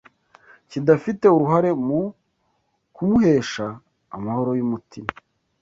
kidafite uruhare mu kumuhesha amahoro y’umutima